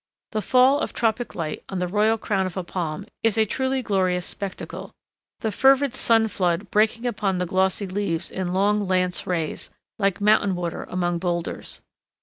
The fall of tropic light on the royal crown of a palm is a truly glorious spectacle, the fervid sun flood breaking upon the glossy leaves in long lance rays, like mountain water among boulders.